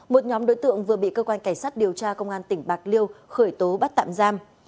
một nhóm đối tượng vừa bị cơ quan cảnh sát điều tra công an tỉnh bạc liêu khởi tố bắt tạm giam